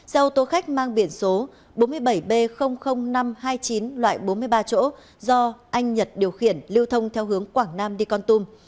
xe ô tô khách mang biển số bốn mươi bảy b năm trăm hai mươi chín loại bốn mươi ba chỗ do anh nhật điều khiển lưu thông theo hướng quảng nam đi con tum